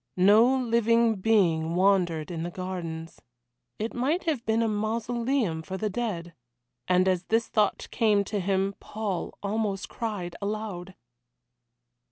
No living being wandered in the gardens. It might have been a mausoleum for the dead. And as this thought came to him Paul almost cried aloud.